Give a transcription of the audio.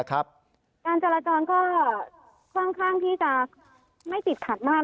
การจราจรก็ค่อนข้างที่จะไม่ติดขัดมาก